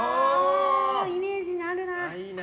イメージにあるな。